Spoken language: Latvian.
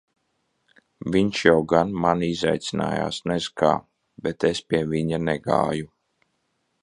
Viņš jau gan mani izaicinājās nez kā, bet es pie viņa negāju.